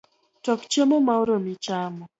Tok chiemo ma oromi chamo